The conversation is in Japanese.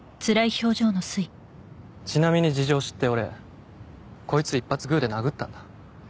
ちなみに事情知って俺こいつ一発グーで殴ったんだ